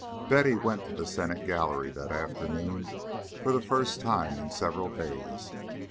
XV Betty went to the Senate Gallery that afternoon for the first time in several days.